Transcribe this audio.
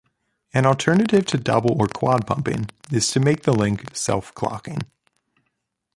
An alternative to double or quad pumping is to make the link self-clocking.